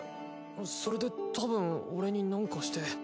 それでたぶん俺に何かして。